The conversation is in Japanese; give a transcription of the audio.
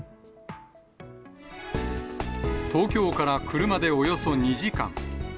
東京から車でおよそ２時間。